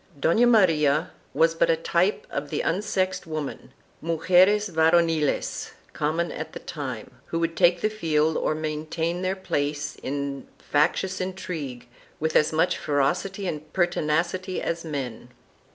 1" Dona Maria was but a type of the unsexed women, mugeres varoniles, common at the time, who would take the field or maintain their place in factious intrigue with as much ferocity and pertinacity as men.